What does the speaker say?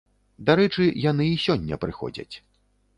Дарэчы, яны і сёння прыходзяць.